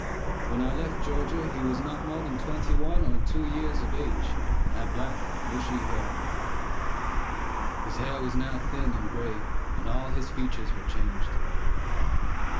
When I left Georgia, he was not more than twenty one or two years of age, and had black, bushy hair. His hair was now thin and gray, and all his features were changed.